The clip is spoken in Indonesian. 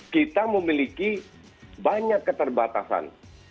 kita memiliki banyak keterbatasan